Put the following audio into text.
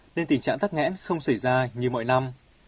nên tình trạng tắt ngãn không xảy ra như mọi năm